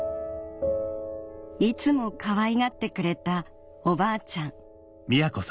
いつもかわいがってくれたおばあちゃん